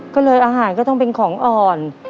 ก็เลยอาหารก็ต้องเป็นของอ่อน